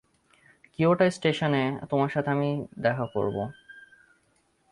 Kyoto স্টেশনে তোমার সাথে দেখা করবো আমি।